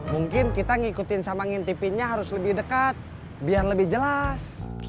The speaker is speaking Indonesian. mungkin kita ngikutin sama ngintipinnya harus lebih dekat biar lebih jelas